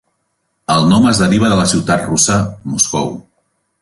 El nom es deriva de la ciutat russa, Moscou.